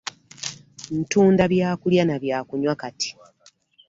Ntunda byakulya na byakunywa kati.